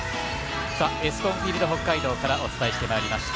エスコンフィールド北海道からお伝えしてまいりました。